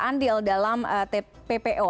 andil dalam ppo